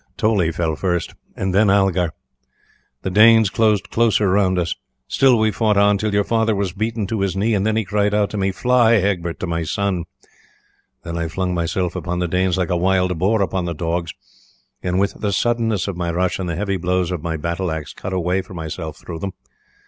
Toley fell first and then Algar. The Danes closed closer around us. Still we fought on, till your father was beaten to his knee, and then he cried to me, 'Fly, Egbert, to my son.' Then I flung myself upon the Danes like a wild boar upon the dogs, and with the suddenness of my rush and the heavy blows of my battle axe cut a way for myself through them.